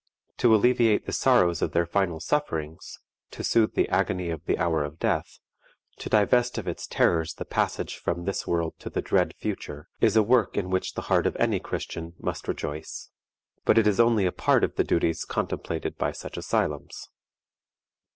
To alleviate the sorrows of their final sufferings, to soothe the agony of the hour of death, to divest of its terrors the passage from this world to the dread future, is a work in which the heart of any Christian must rejoice. But it is only a part of the duties contemplated by such asylums.